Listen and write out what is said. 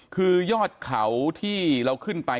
คือยอดเขาที่เราขึ้นไป